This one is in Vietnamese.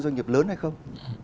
doanh nghiệp lớn hay không